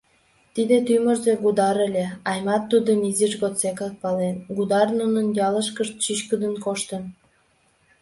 Тиде тӱмырзӧ Гудар ыле, Аймат тудым изиж годсекак пален, Гудар нунын ялышкышт чӱчкыдын коштын.